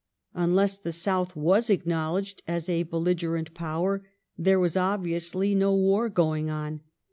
Un less the South was acknowledged as a belligerent power, there was obviously no war going on.